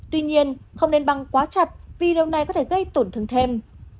tuy nhiên không nên băng quá chặt vì điều này có thể gây tổn thương thêm